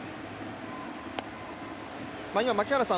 槙原さん